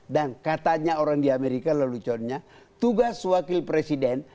dan katanya orang di amerika lalu connya tugas wakil presiden